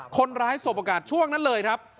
คนร้ายโสบอากาศช่วงนั้นเลยครับ